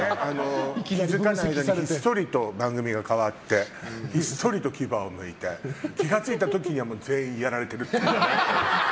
気づかずにひっそりと番組が変わってひっそりと牙をむいて気が付いた時には全員やられてるっていうね。